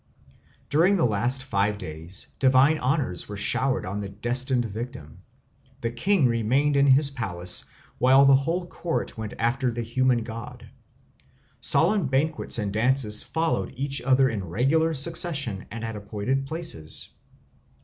During the last five days divine honours were showered on the destined victim. The king remained in his palace while the whole court went after the human god. Solemn banquets and dances followed each other in regular succession and at appointed places.